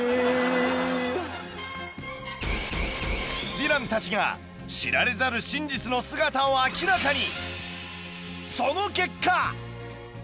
ヴィランたちが知られざる真実の姿を明らかに！